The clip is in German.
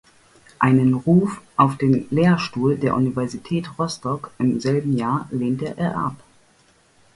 Einen Ruf auf den Lehrstuhl der Universität Rostock im selben Jahr lehnte er ab.